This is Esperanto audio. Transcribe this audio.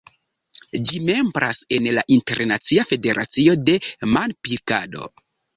Ĝi membras en la Internacia Federacio de Manpilkado.